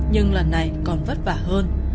nhưng lần này còn vất vả hơn